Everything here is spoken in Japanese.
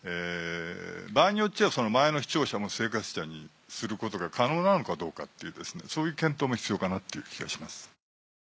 場合によっちゃ前の「視聴者」も「生活者」にすることが可能なのかどうかっていうそういう検討も必要かなっていう気がします。